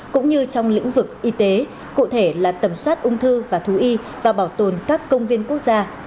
cũng như trong lĩnh vực y tế cụ thể là tầm soát ung thư và thú y và bảo tồn các công viên quốc gia